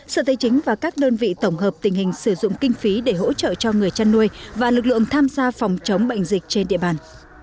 sở tây chính và các đơn vị tổng hợp tình hình sử dụng kinh phí để hỗ trợ cho người chăn nuôi và lực lượng tham gia phòng chống bệnh dịch trên địa bàn